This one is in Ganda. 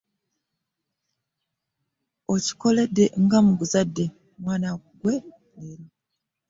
Okinkoledde nga muzadde mwana ggwe leero.